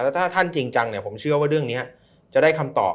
ถ้าท่านจริงจังผมเชื่อว่าเรื่องนี้จะได้คำตอบ